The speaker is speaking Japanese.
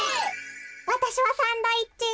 わたしはサンドイッチ。